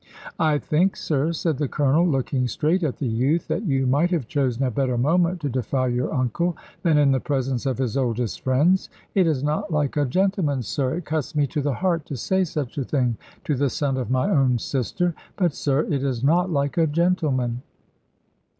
"I think, sir," said the Colonel, looking straight at the youth, "that you might have chosen a better moment to defy your uncle, than in the presence of his oldest friends. It is not like a gentleman, sir. It cuts me to the heart to say such a thing to the son of my own sister. But, sir, it is not like a gentleman."